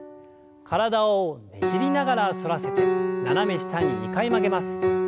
体をねじりながら反らせて斜め下に２回曲げます。